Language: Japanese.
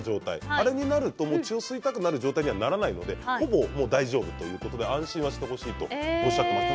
あれになると血を吸いたくなる状態にはならないのでほぼ大丈夫ということで安心してほしいとおっしゃっていました。